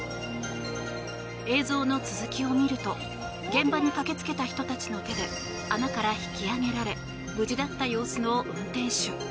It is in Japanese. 映像の続きを見ると現場に駆けつけた人たちの手で穴から引き上げられ無事だった様子の運転手。